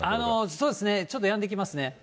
そうですね、ちょっとやんできますね。